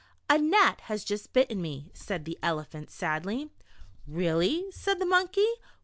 A gnat has just bitten me,'' said the Elephant, sadly. "Really?" said the Monkey.